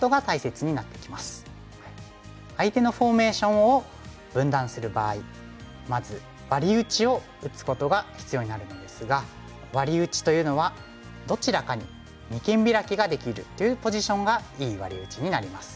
相手のフォーメーションを分断する場合まずワリ打ちを打つことが必要になるのですがワリ打ちというのはどちらかに二間ビラキができるというポジションがいいワリ打ちになります。